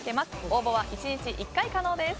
応募は１日１回可能です。